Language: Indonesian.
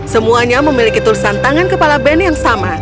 semuanya memiliki tulisan tangan kepala band yang sama